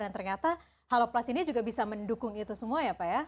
dan ternyata halo plus ini juga bisa mendukung itu semua ya pak ya